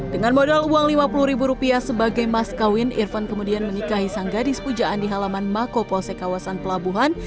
dengan modal uang rp lima puluh sebagai mas kawin irfan kemudian menikahi sang gadis pujaan di halaman mako polsek kawasan pelabuhan